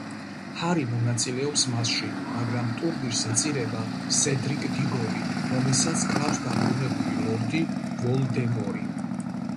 ჰარი მონაწილეობს მასში, მაგრამ ტურნირს ეწირება სედრიკ დიგორი, რომელსაც კლავს დაბრუნებული ლორდი ვოლდემორი.